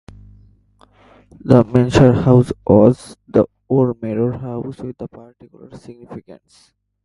The Mansion House was an old manor house with particular significance.